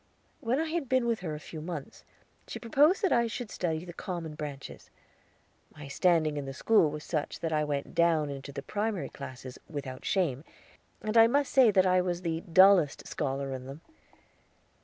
When I had been with her a few months, she proposed that I should study the common branches; my standing in the school was such that I went down into the primary classes without shame, and I must say that I was the dullest scholar in them.